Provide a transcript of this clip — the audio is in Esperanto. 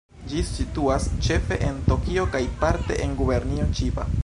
Ĝi situas ĉefe en Tokio kaj parte en Gubernio Ĉiba.